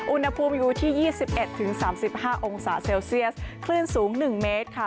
อุณหภูมิอยู่ที่๒๑๓๕องศาเซลเซียสคลื่นสูง๑เมตรค่ะ